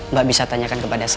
mbak bisa tanyakan kepada saya